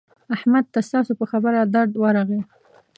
احمد ته ستاسو په خبره درد ورغی.